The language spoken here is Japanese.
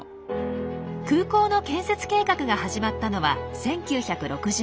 空港の建設計画が始まったのは１９６０年代。